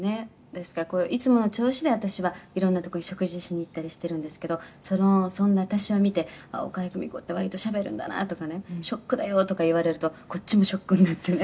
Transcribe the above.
ですからこういつもの調子で私はいろんなとこに食事しに行ったりしてるんですけどそんな私を見て“岡江久美子って割としゃべるんだな”とかね“ショックだよ”とか言われるとこっちもショックになってね」